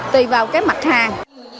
tùy vào cái mặt hàng